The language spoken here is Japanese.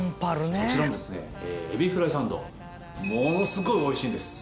そちらのですねエビフライサンドものすごい美味しいんです。